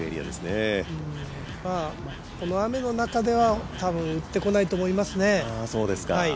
この雨の中では多分打ってこないと思いますね。